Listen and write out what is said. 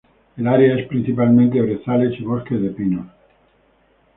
El área es principalmente brezales y bosques de pinos.